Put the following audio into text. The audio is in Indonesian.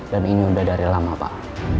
dan ini sudah dari lama pak